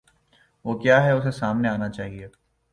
وہ کیا ہے، اسے سامنے آنا چاہیے۔